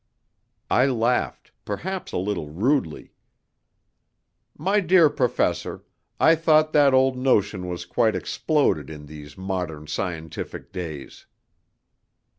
I laughed, perhaps a little rudely. "My dear Professor, I thought that old notion was quite exploded in these modern scientific days."